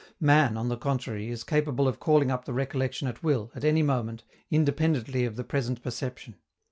Man, on the contrary, is capable of calling up the recollection at will, at any moment, independently of the present perception.